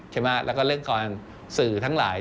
แล้วก็เรื่องการสื่อทั้งหลาย